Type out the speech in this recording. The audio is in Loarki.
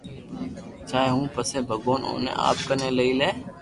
چاھي ھون پسي ڀگوان اوني آپ ڪني ليئي لي